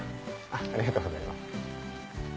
ありがとうございます。